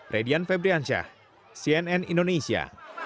radian febriansyah cnn indonesia